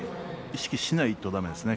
意識しないとだめですね。